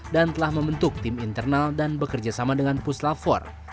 dan telah membentuk tim internal dan bekerjasama dengan pusat labor